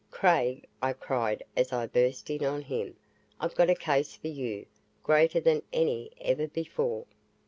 "Craig," I cried as I burst in on him, "I've got a case for you greater than any ever before!"